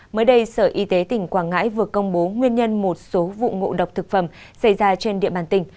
mới đây sở y tế tỉnh quảng ngãi vừa công bố nguyên nhân một số vụ ngộ độc thực phẩm xảy ra trên địa bàn tỉnh